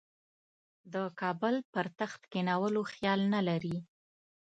د کابل پر تخت کښېنولو خیال نه لري.